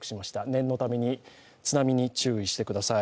念のために津波に注意してください。